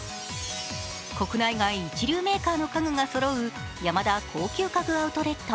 国内外一流メーカーの家具がそろうヤマダ高級家電アウトレット。